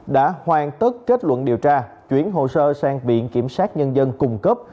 đã hoàn tất kết luận điều tra chuyển hồ sơ sang viện kiểm sát nhân dân cung cấp